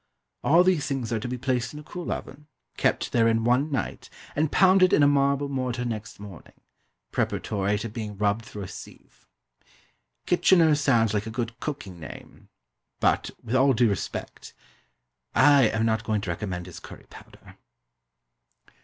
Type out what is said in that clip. All these things are to be placed in a cool oven, kept therein one night, and pounded in a marble mortar next morning, preparatory to being rubbed through a sieve. "Kitchener" sounds like a good cooking name; but, with all due respect, I am not going to recommend his curry powder.